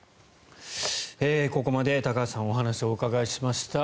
ここまで高橋さんにお話をお伺いしました。